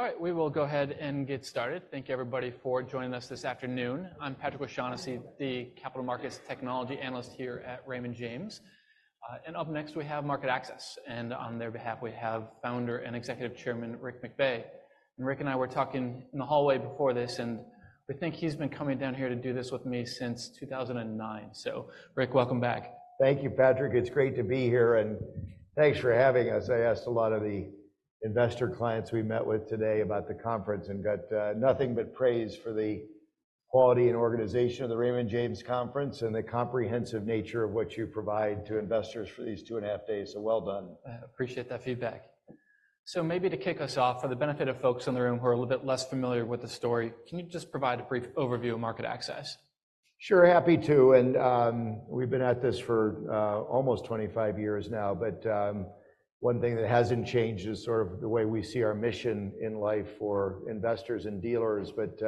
All right, we will go ahead and get started. Thank you, everybody, for joining us this afternoon. I'm Patrick O'Shaughnessy, the capital markets technology analyst here at Raymond James. Up next, we have MarketAxess, and on their behalf, we have Founder and Executive Chairman Rick McVey. Rick and I were talking in the hallway before this, and we think he's been coming down here to do this with me since 2009. Rick, welcome back. Thank you, Patrick. It's great to be here, and thanks for having us. I asked a lot of the investor clients we met with today about the conference and got nothing but praise for the quality and organization of the Raymond James Conference and the comprehensive nature of what you provide to investors for these two and a half days. So well done. I appreciate that feedback. Maybe to kick us off, for the benefit of folks in the room who are a little bit less familiar with the story, can you just provide a brief overview of MarketAxess? Sure, happy to. And, we've been at this for almost 25 years now, but one thing that hasn't changed is sort of the way we see our mission in life for investors and dealers. But,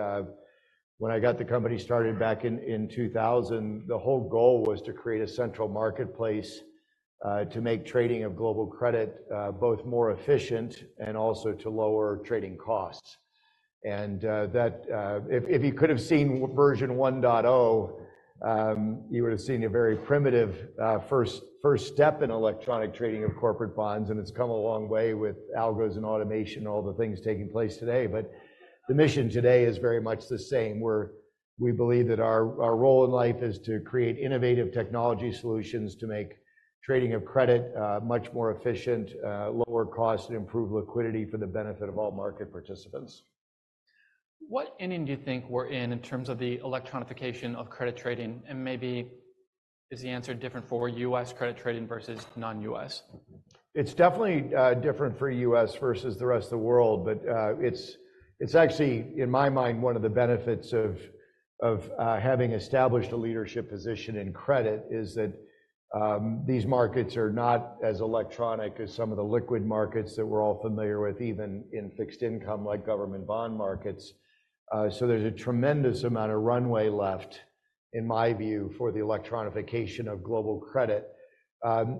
when I got the company started back in 2000, the whole goal was to create a central marketplace to make trading of global credit both more efficient and also to lower trading costs. And, that, if you could have seen version 1.0, you would have seen a very primitive first step in electronic trading of corporate bonds, and it's come a long way with algos and automation, all the things taking place today. But the mission today is very much the same, where we believe that our role in life is to create innovative technology solutions to make trading of credit much more efficient, lower cost, and improve liquidity for the benefit of all market participants. What inning do you think we're in, in terms of the electronification of credit trading? And maybe is the answer different for U.S. credit trading versus non-U.S.? It's definitely different for U.S. versus the rest of the world, but it's actually, in my mind, one of the benefits of having established a leadership position in credit, is that these markets are not as electronic as some of the liquid markets that we're all familiar with, even in fixed income, like government bond markets. So there's a tremendous amount of runway left, in my view, for the electronification of global credit.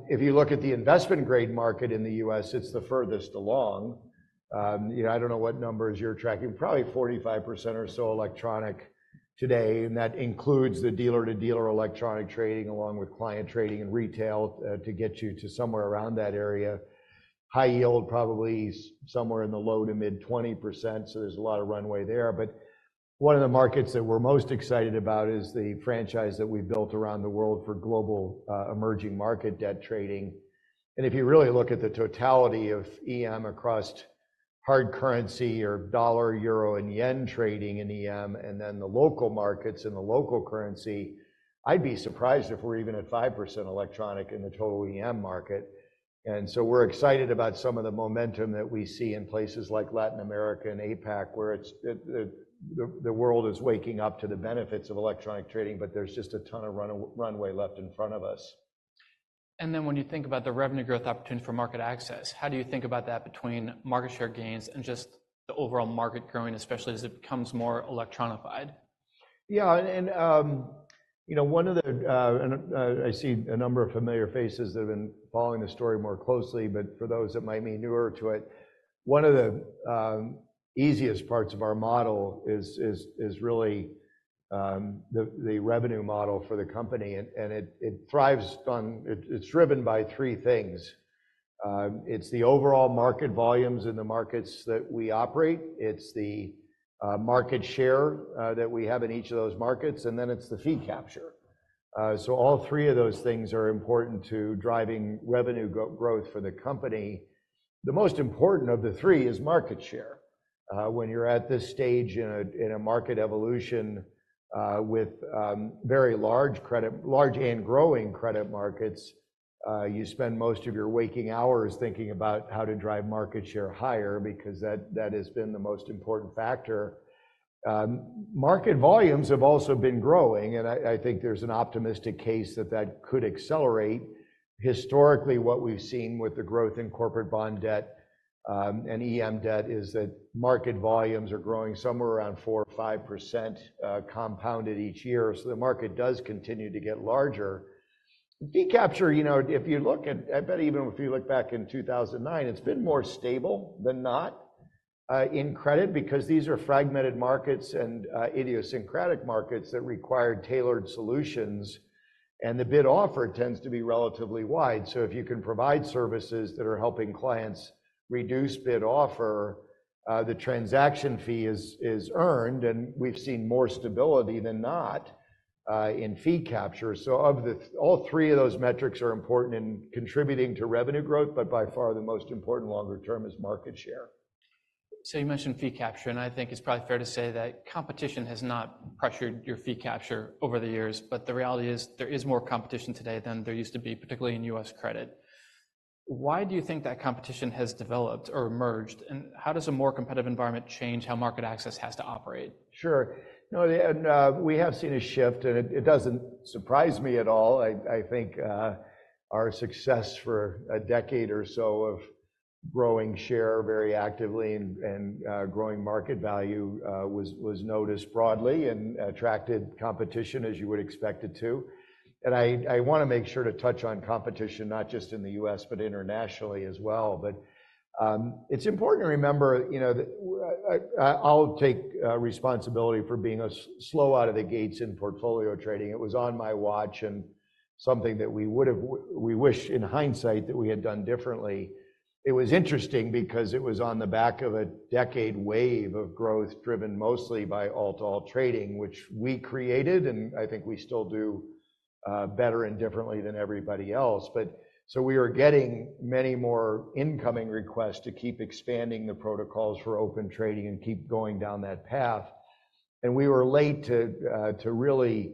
If you look at the investment grade market in the U.S., it's the furthest along. You know, I don't know what numbers you're tracking, probably 45% or so electronic today, and that includes the dealer-to-dealer electronic trading, along with client trading and retail to get you to somewhere around that area. High yield, probably somewhere in the low- to mid-20%, so there's a lot of runway there. But one of the markets that we're most excited about is the franchise that we've built around the world for global emerging market debt trading. And if you really look at the totality of EM across hard currency or dollar, euro, and yen trading in EM, and then the local markets and the local currency, I'd be surprised if we're even at 5% electronic in the total EM market. And so we're excited about some of the momentum that we see in places like Latin America and APAC, where the world is waking up to the benefits of electronic trading, but there's just a ton of runway left in front of us. And then when you think about the revenue growth opportunity for MarketAxess, how do you think about that between market share gains and just the overall market growing, especially as it becomes more electronified? Yeah, and, you know, I see a number of familiar faces that have been following the story more closely, but for those that might be newer to it, one of the easiest parts of our model is really the revenue model for the company, and it thrives on. It's driven by three things. It's the overall market volumes in the markets that we operate, it's the market share that we have in each of those markets, and then it's the fee capture. So all three of those things are important to driving revenue growth for the company. The most important of the three is market share. When you're at this stage in a market evolution, with large and growing credit markets, you spend most of your waking hours thinking about how to drive market share higher because that has been the most important factor. Market volumes have also been growing, and I think there's an optimistic case that that could accelerate. Historically, what we've seen with the growth in corporate bond debt and EM debt, is that market volumes are growing somewhere around 4% or 5%, compounded each year. So the market does continue to get larger. Fee capture, you know, if you look at, I bet even if you look back in 2009, it's been more stable than not in credit because these are fragmented markets and idiosyncratic markets that require tailored solutions, and the bid offer tends to be relatively wide. So if you can provide services that are helping clients reduce bid offer, the transaction fee is, is earned, and we've seen more stability than not in fee capture. So of the, all three of those metrics are important in contributing to revenue growth, but by far, the most important longer term is market share. So you mentioned fee capture, and I think it's probably fair to say that competition has not pressured your fee capture over the years. But the reality is, there is more competition today than there used to be, particularly in U.S. credit. Why do you think that competition has developed or emerged, and how does a more competitive environment change how MarketAxess has to operate? Sure. No, and we have seen a shift, and it doesn't surprise me at all. I think our success for a decade or so of growing share very actively and growing market value was noticed broadly and attracted competition as you would expect it to. And I want to make sure to touch on competition, not just in the U.S., but internationally as well. But it's important to remember, you know, that I'll take responsibility for being slow out of the gates in portfolio trading. It was on my watch and something that we would have wished in hindsight that we had done differently. It was interesting because it was on the back of a decade wave of growth, driven mostly by all-to-all trading, which we created, and I think we still do better and differently than everybody else. But so we are getting many more incoming requests to keep expanding the protocols for Open Trading and keep going down that path. And we were late to really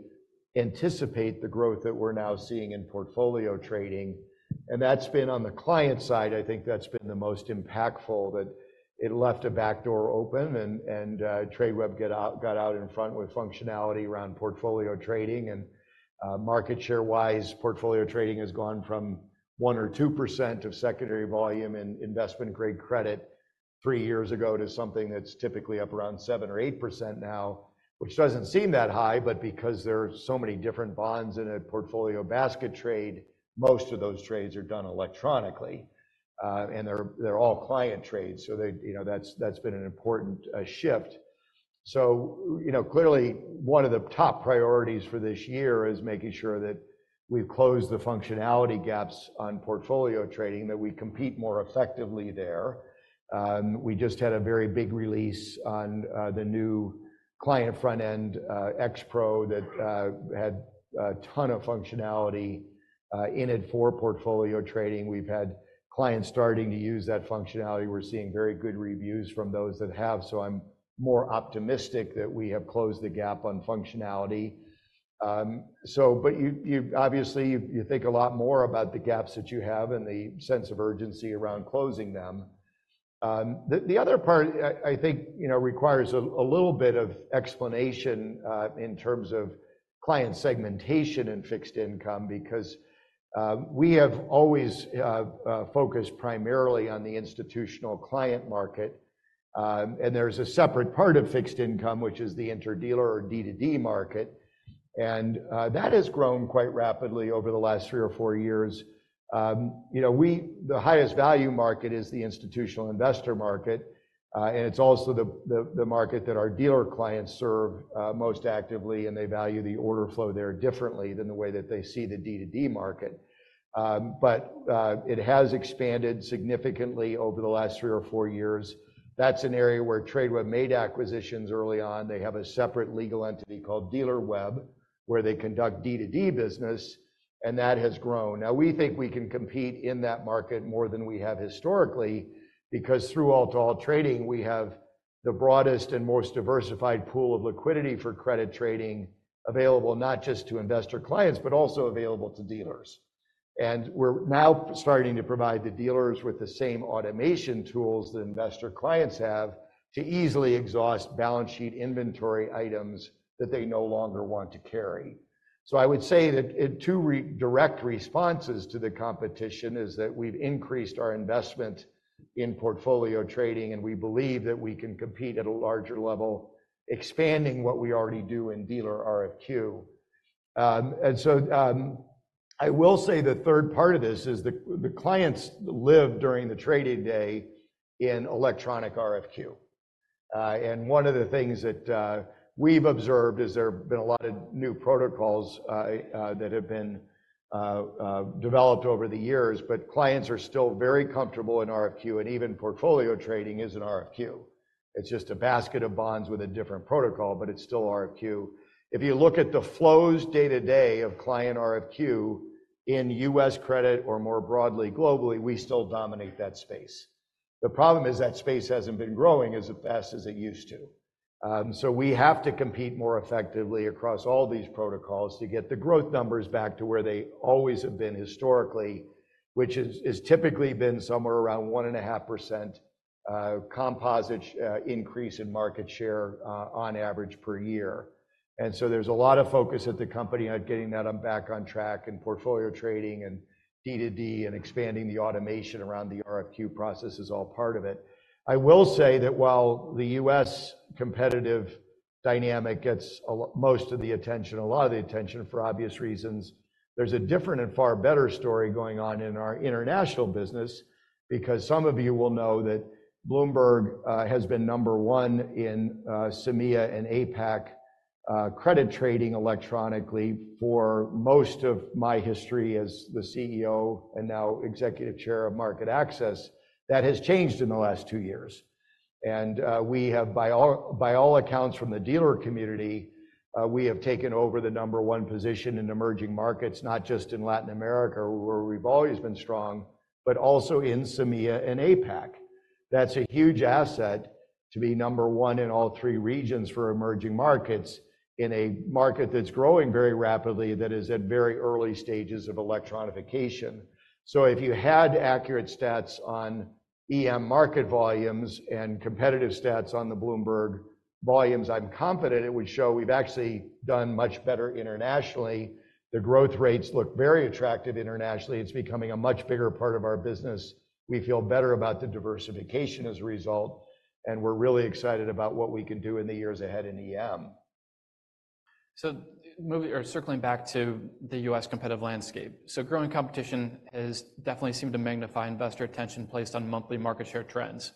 anticipate the growth that we're now seeing in portfolio trading, and that's been on the client side. I think that's been the most impactful, that it left a backdoor open and Tradeweb got out in front with functionality around portfolio trading. And, market share-wise, portfolio trading has gone from 1% or 2% of secondary volume and investment-grade credit three years ago, to something that's typically up around 7% or 8% now, which doesn't seem that high, but because there are so many different bonds in a portfolio basket trade, most of those trades are done electronically. And they're, they're all client trades, so they, you know, that's, that's been an important shift. So, you know, clearly, one of the top priorities for this year is making sure that we've closed the functionality gaps on portfolio trading, that we compete more effectively there. We just had a very big release on the new client front end, X-Pro, that had a ton of functionality in it for portfolio trading. We've had clients starting to use that functionality. We're seeing very good reviews from those that have, so I'm more optimistic that we have closed the gap on functionality. So but you obviously think a lot more about the gaps that you have and the sense of urgency around closing them. The other part, I think, you know, requires a little bit of explanation in terms of client segmentation and fixed income, because we have always focused primarily on the institutional client market. And there's a separate part of fixed income, which is the interdealer or D2D market, and that has grown quite rapidly over the last three or four years. You know, the highest value market is the institutional investor market, and it's also the market that our dealer clients serve most actively, and they value the order flow there differently than the way that they see the D2D market. But it has expanded significantly over the last three or four years. That's an area where Tradeweb made acquisitions early on. They have a separate legal entity called Dealerweb, where they conduct D2D business, and that has grown. Now, we think we can compete in that market more than we have historically, because through all-to-all trading, we have the broadest and most diversified pool of liquidity for credit trading available, not just to investor clients, but also available to dealers. We're now starting to provide the dealers with the same automation tools that investor clients have to easily exhaust balance sheet inventory items that they no longer want to carry. So I would say that in two direct responses to the competition, is that we've increased our investment in Portfolio trading, and we believe that we can compete at a larger level, expanding what we already do in dealer RFQ. And so, I will say the third part of this is the clients live during the trading day in electronic RFQ. And one of the things that we've observed is there have been a lot of new protocols that have been developed over the years, but clients are still very comfortable in RFQ, and even Portfolio trading is an RFQ. It's just a basket of bonds with a different protocol, but it's still RFQ. If you look at the flows day-to-day of client RFQ in U.S. credit or more broadly globally, we still dominate that space. The problem is that space hasn't been growing as fast as it used to. So we have to compete more effectively across all these protocols to get the growth numbers back to where they always have been historically, which is typically been somewhere around 1.5%, composite share increase in market share, on average per year. And so there's a lot of focus at the company on getting that back on track and portfolio trading and D2D, and expanding the automation around the RFQ process is all part of it. I will say that while the U.S. competitive dynamic gets most of the attention, a lot of the attention for obvious reasons, there's a different and far better story going on in our international business. Because some of you will know that Bloomberg has been number one in EMEA and APAC credit trading electronically for most of my history as the CEO, and now Executive Chairman of MarketAxess. That has changed in the last 2 years, and we have by all accounts from the dealer community, we have taken over the number one position in emerging markets, not just in Latin America, where we've always been strong, but also in MEA and APAC. That's a huge asset to be number one in all three regions for emerging markets, in a market that's growing very rapidly, that is at very early stages of electronification. So if you had accurate stats on EM market volumes and competitive stats on the Bloomberg volumes, I'm confident it would show we've actually done much better internationally. The growth rates look very attractive internationally. It's becoming a much bigger part of our business. We feel better about the diversification as a result, and we're really excited about what we can do in the years ahead in EM. Moving or circling back to the U.S. competitive landscape. Growing competition has definitely seemed to magnify investor attention placed on monthly market share trends,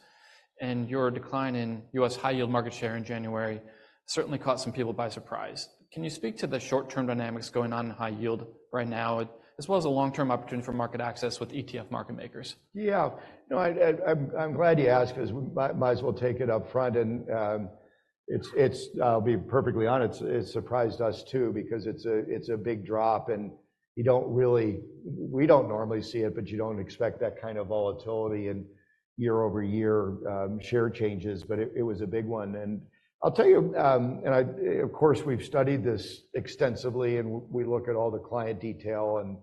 and your decline in U.S. high yield market share in January certainly caught some people by surprise. Can you speak to the short-term dynamics going on in high yield right now, as well as the long-term opportunity for MarketAxess with ETF market makers? Yeah. No, I'm glad you asked 'cause we might as well take it up front and, it's. I'll be perfectly honest, it surprised us too, because it's a big drop, and you don't really, we don't normally see it, but you don't expect that kind of volatility in year-over-year share changes. But it was a big one. And I'll tell you, and I, of course, we've studied this extensively, and we look at all the client detail and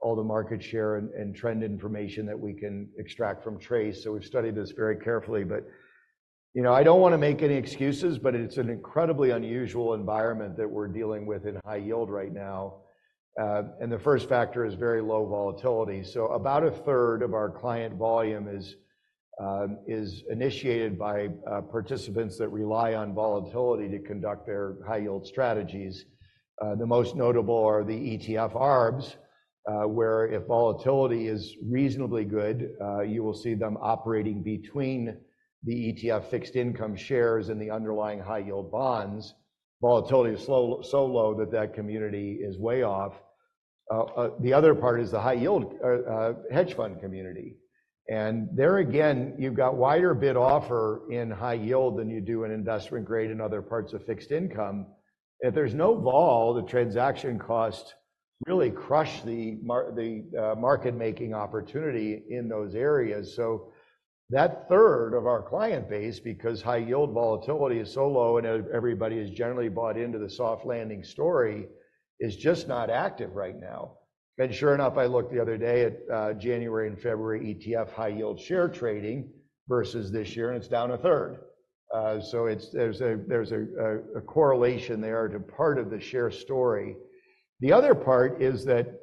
all the market share and trend information that we can extract from TRACE, so we've studied this very carefully. But, you know, I don't wanna make any excuses, but it's an incredibly unusual environment that we're dealing with in high yield right now. And the first factor is very low volatility. So about a third of our client volume is initiated by participants that rely on volatility to conduct their high yield strategies. The most notable are the ETF ARBs, where if volatility is reasonably good, you will see them operating between the ETF fixed income shares and the underlying high-yield bonds. Volatility is so low that that community is way off. The other part is the high yield hedge fund community. And there again, you've got wider bid offer in high yield than you do in investment grade and other parts of fixed income. If there's no vol, the transaction costs really crush the market-making opportunity in those areas. So that third of our client base, because high-yield volatility is so low and everybody has generally bought into the soft landing story, is just not active right now. And sure enough, I looked the other day at January and February ETF high-yield share trading versus this year, and it's down a third. So it's. There's a correlation there to part of the share story. The other part is that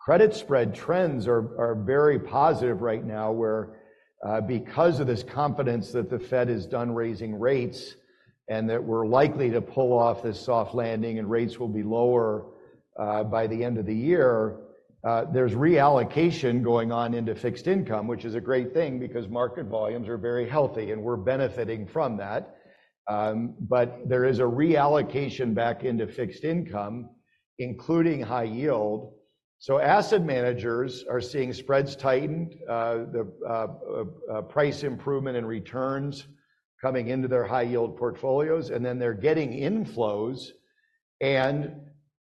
credit spread trends are very positive right now, where because of this confidence that the Fed is done raising rates and that we're likely to pull off this soft landing and rates will be lower by the end of the year, there's reallocation going on into fixed income, which is a great thing because market volumes are very healthy, and we're benefiting from that. But there is a reallocation back into fixed income, including high yield. So asset managers are seeing spreads tightened, the price improvement in returns coming into their high-yield portfolios, and then they're getting inflows, and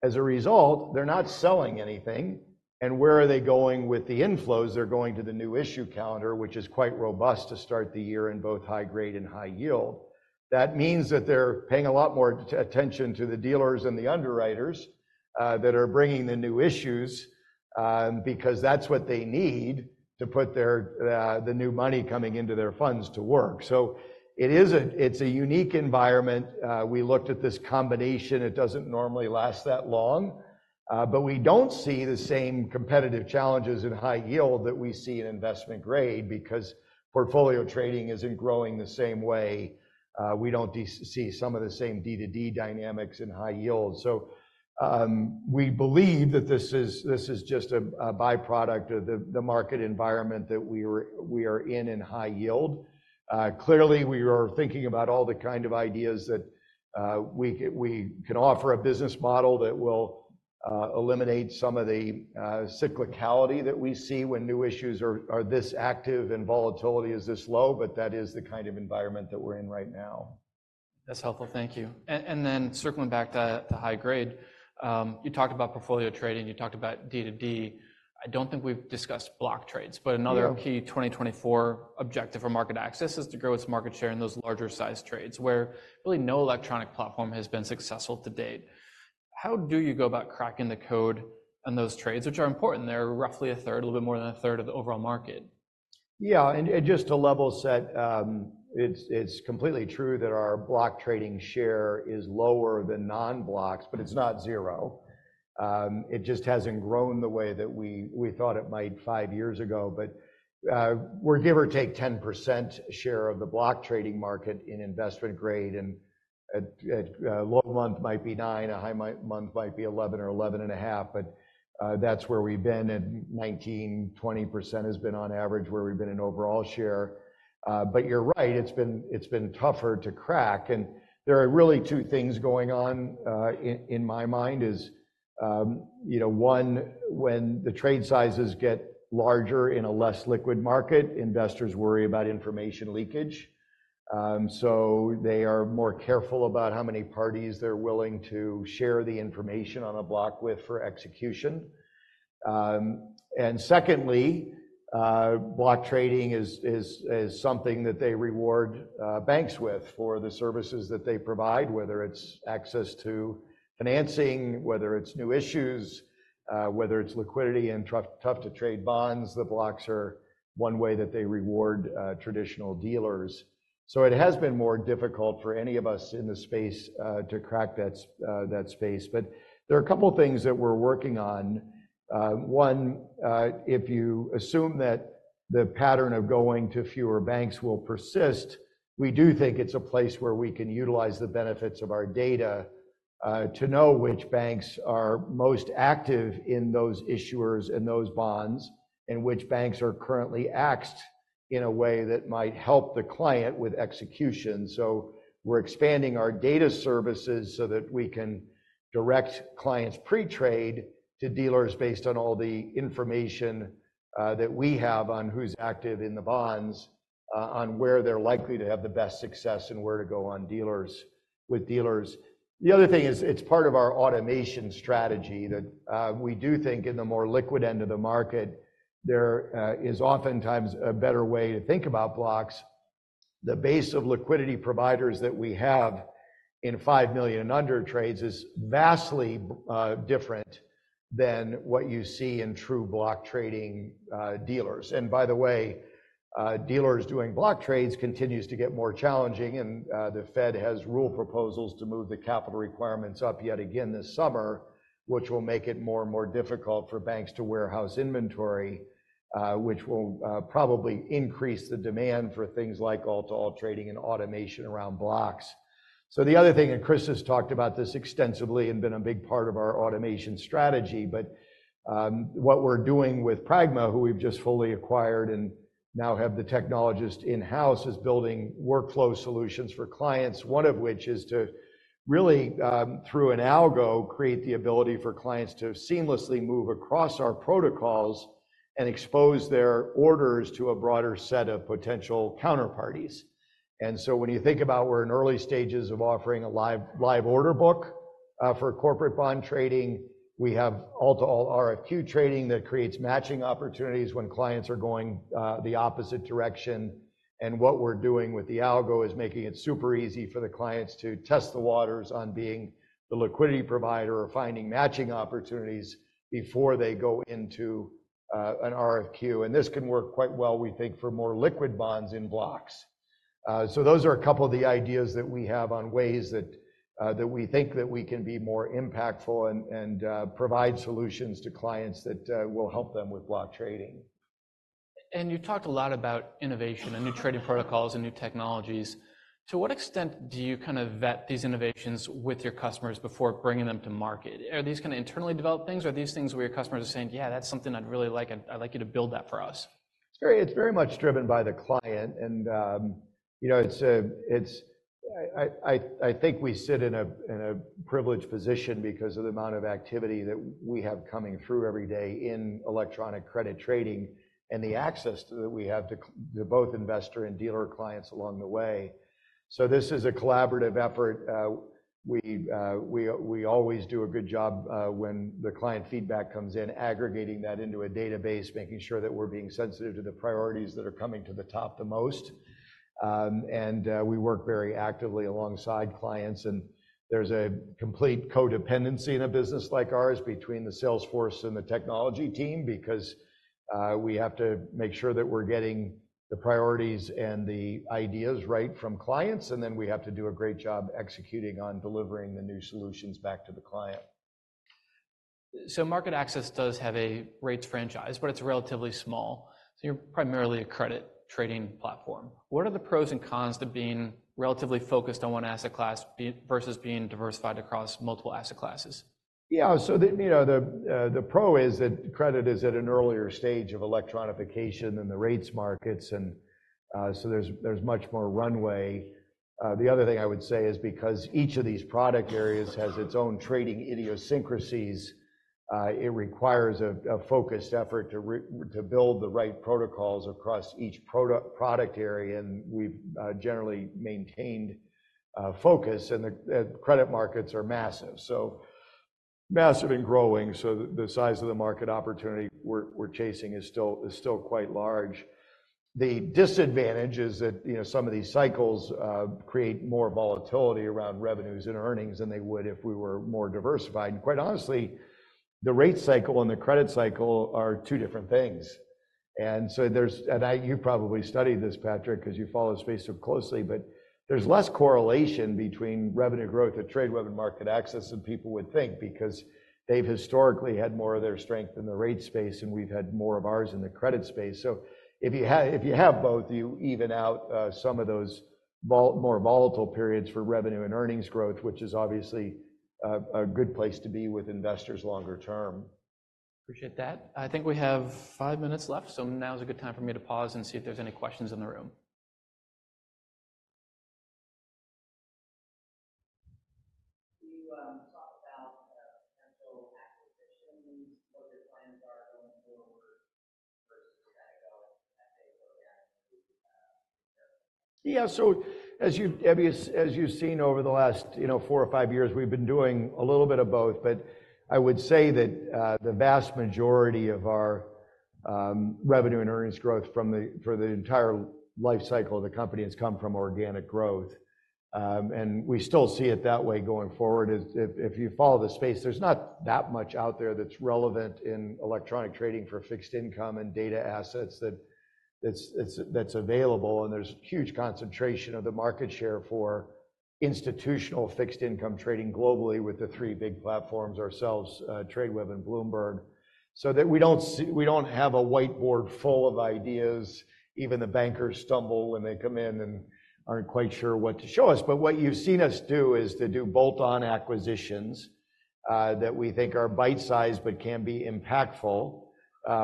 as a result, they're not selling anything. And where are they going with the inflows? They're going to the new issue calendar, which is quite robust to start the year in both high grade and high yield. That means that they're paying a lot more attention to the dealers and the underwriters that are bringing the new issues, because that's what they need to put the new money coming into their funds to work. So it is—it's a unique environment. We looked at this combination. It doesn't normally last that long, but we don't see the same competitive challenges in high yield that we see in investment grade, because portfolio trading isn't growing the same way. We don't see some of the same D2D dynamics in high yield. We believe that this is just a by-product of the market environment that we are in in high yield. Clearly, we are thinking about all the kind of ideas that we can offer a business model that will eliminate some of the cyclicality that we see when new issues are this active and volatility is this low, but that is the kind of environment that we're in right now. That's helpful. Thank you. And then circling back to high grade, you talked about portfolio trading, you talked about D2D. I don't think we've discussed block trades- Yeah... but another key 2024 objective for MarketAxess is to grow its market share in those larger-sized trades, where really no electronic platform has been successful to date. How do you go about cracking the code on those trades, which are important? They're roughly a third, a little bit more than a third of the overall market. Yeah, and just to level set, it's completely true that our block trading share is lower than non-blocks, but it's not zero. It just hasn't grown the way that we thought it might 5 years ago. But we're give or take 10% share of the block trading market in investment grade, and a low month might be 9%, a high month might be 11% or 11.5%, but that's where we've been, and 19%-20% has been on average where we've been in overall share. But you're right, it's been tougher to crack, and there are really two things going on in my mind: you know, one, when the trade sizes get larger in a less liquid market, investors worry about information leakage. So they are more careful about how many parties they're willing to share the information on a block with for execution. And secondly, block trading is something that they reward banks with for the services that they provide, whether it's access to financing, whether it's new issues, whether it's liquidity and tough to trade bonds. The blocks are one way that they reward traditional dealers. So it has been more difficult for any of us in the space to crack that space. But there are a couple things that we're working on. If you assume that the pattern of going to fewer banks will persist, we do think it's a place where we can utilize the benefits of our data to know which banks are most active in those issuers and those bonds, and which banks are currently axed in a way that might help the client with execution. So we're expanding our data services so that we can direct clients pre-trade to dealers based on all the information that we have on who's active in the bonds, on where they're likely to have the best success, and where to go with dealers. The other thing is, it's part of our automation strategy that we do think in the more liquid end of the market, there is oftentimes a better way to think about blocks. The base of liquidity providers that we have in $5 million and under trades is vastly different than what you see in true block trading dealers. And by the way, dealers doing block trades continues to get more challenging, and the Fed has rule proposals to move the capital requirements up yet again this summer, which will make it more and more difficult for banks to warehouse inventory. Which will probably increase the demand for things like all-to-all trading and automation around blocks. So the other thing, and Chris has talked about this extensively and been a big part of our automation strategy, but what we're doing with Pragma, who we've just fully acquired and now have the technologist in-house, is building workflow solutions for clients. One of which is to really, through an algo, create the ability for clients to seamlessly move across our protocols and expose their orders to a broader set of potential counterparties. And so when you think about, we're in early stages of offering a live, live order book, for corporate bond trading, we have All-to-all RFQ trading that creates matching opportunities when clients are going, the opposite direction. And what we're doing with the algo is making it super easy for the clients to test the waters on being the liquidity provider or finding matching opportunities before they go into, an RFQ. And this can work quite well, we think, for more liquid bonds in blocks. So those are a couple of the ideas that we have on ways that we think that we can be more impactful and provide solutions to clients that will help them with block trading. And you talked a lot about innovation and new trading protocols and new technologies. To what extent do you kind of vet these innovations with your customers before bringing them to market? Are these kind of internally developed things, or are these things where your customers are saying, "Yeah, that's something I'd really like, and I'd like you to build that for us? It's very much driven by the client. And, you know, I think we sit in a privileged position because of the amount of activity that we have coming through every day in electronic credit trading and the access that we have to both investor and dealer clients along the way. So this is a collaborative effort. We always do a good job when the client feedback comes in, aggregating that into a database, making sure that we're being sensitive to the priorities that are coming to the top the most. We work very actively alongside clients, and there's a complete codependency in a business like ours between the sales force and the technology team, because we have to make sure that we're getting the priorities and the ideas right from clients, and then we have to do a great job executing on delivering the new solutions back to the client. So MarketAxess does have a rates franchise, but it's relatively small, so you're primarily a credit trading platform. What are the pros and cons to being relatively focused on one asset class versus being diversified across multiple asset classes? Yeah. So the, you know, the pro is that credit is at an earlier stage of electronification than the rates markets, and, so there's much more runway. The other thing I would say is because each of these product areas has its own trading idiosyncrasies, it requires a focused effort to build the right protocols across each product area, and we've generally maintained focus. And the credit markets are massive, so massive and growing, so the size of the market opportunity we're chasing is still quite large. The disadvantage is that, you know, some of these cycles create more volatility around revenues and earnings than they would if we were more diversified. And quite honestly, the rate cycle and the credit cycle are two different things. And so there's and I, you probably studied this, Patrick, 'cause you follow the space so closely, but there's less correlation between revenue growth at Tradeweb and MarketAxess than people would think because they've historically had more of their strength in the rate space, and we've had more of ours in the credit space. So if you have both, you even out some of those more volatile periods for revenue and earnings growth, which is obviously a good place to be with investors longer term. Appreciate that. I think we have five minutes left, so now is a good time for me to pause and see if there's any questions in the room. Can you talk about potential acquisition, what your plans are going forward versus kinda go? Yeah, so as you, I mean, as you've seen over the last, you know, four or five years, we've been doing a little bit of both. But I would say that the vast majority of our revenue and earnings growth from the—for the entire life cycle of the company has come from organic growth. And we still see it that way going forward. If you follow the space, there's not that much out there that's relevant in electronic trading for fixed income and data assets that's available, and there's huge concentration of the market share for institutional fixed income trading globally with the three big platforms, ourselves, Tradeweb and Bloomberg. So we don't see—we don't have a whiteboard full of ideas. Even the bankers stumble when they come in and aren't quite sure what to show us. But what you've seen us do is to do bolt-on acquisitions that we think are bite-sized but can be impactful,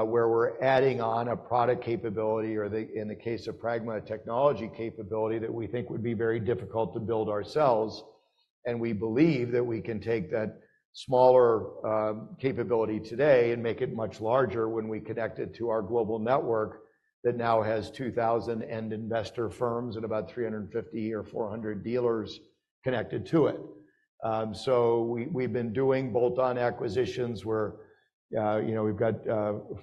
where we're adding on a product capability or the, in the case of Pragma, a technology capability that we think would be very difficult to build ourselves. And we believe that we can take that smaller capability today and make it much larger when we connect it to our global network that now has 2,000 end investor firms and about 350 or 400 dealers connected to it. So we, we've been doing bolt-on acquisitions where you know, we've got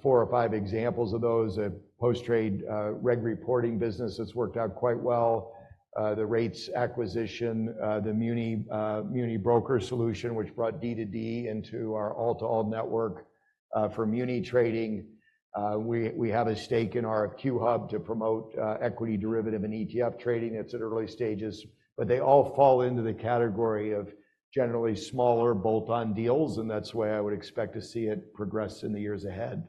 four or five examples of those. A post-trade reg reporting business that's worked out quite well. The rates acquisition, the muni broker solution, which brought D2D into our all-to-all network, for muni trading. We have a stake in RFQ-hub to promote equity derivative and ETF trading. It's at early stages, but they all fall into the category of generally smaller bolt-on deals, and that's the way I would expect to see it progress in the years ahead.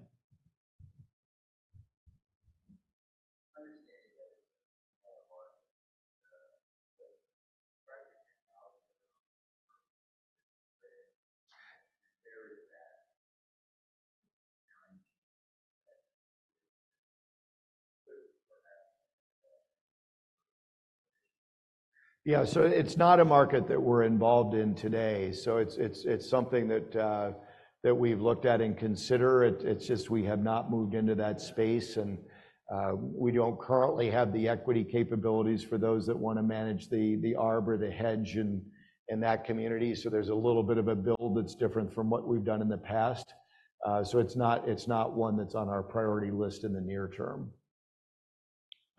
Understanding that it's more of a right now, but there is that. Yeah. So it's not a market that we're involved in today. So it's something that we've looked at and considered. It's just we have not moved into that space, and we don't currently have the equity capabilities for those that wanna manage the arb or the hedge in that community. So there's a little bit of a build that's different from what we've done in the past. So it's not one that's on our priority list in the near term.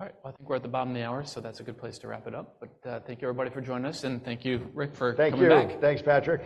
All right. Well, I think we're at the bottom of the hour, so that's a good place to wrap it up. But, thank you, everybody, for joining us, and thank you, Rick, for coming back. Thank you. Thanks, Patrick.